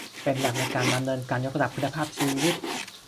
เป็นหลักในการดำเนินการยกระดับคุณภาพชีวิต